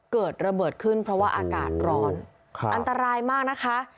เกิดระเบิดขึ้นเพราะว่าอากาศร้อนอันตรายมากนะคะ